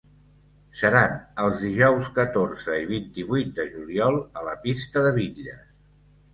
Seran els dijous catorze i vint-i-vuit de juliol a la pista de bitlles.